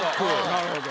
なるほど。